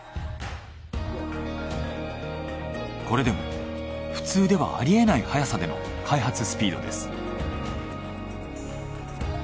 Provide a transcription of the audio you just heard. これでも普通ではありえない速さでの開発スピードです。